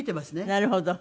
なるほど。